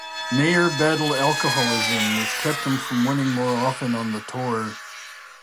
Mayer battled alcoholism, which kept him from winning more often on the Tour.